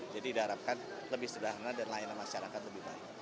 jadi diharapkan lebih sederhana dan layanan masyarakat lebih baik